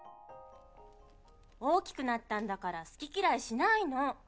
大きくなったんだから好き嫌いしないの！